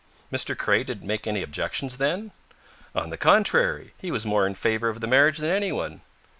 "Mr. Craye didn't make any objections, then?" "On the contrary. He was more in favor of the marriage than anyone."